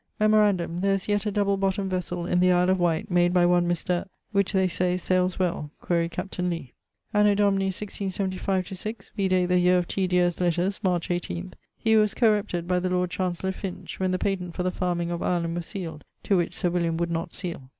(Memorandum: there is yet a double bottomd vessell in the Isle of Wight, made by one Mr. ...... which, they say, sailes well: quaere capt. Lee.) Anno Domini 1675/6 (vide the yeare of T. Deer's lettres), March 18, he was correpted by the Lord Chancellor Finch, when the patent for the farming of Ireland was sealed, to which Sir William would not seale.